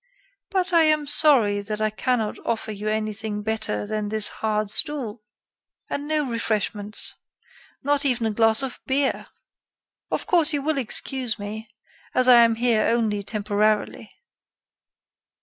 But I am sorry that I cannot offer you anything better than this hard stool. And no refreshments! Not even a glass of beer! Of course, you will excuse me, as I am here only temporarily."